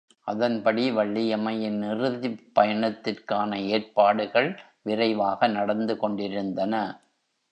அதன்படி வள்ளியம்மையின் இறுதிப் பயணத்திற்கான ஏற்பாடுகள் விரைவாக நடந்து கொண்டிருந்தன.